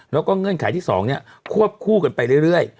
แล้วก็เงื่อนไขที่๒ควบคู่กันไปเรื่อย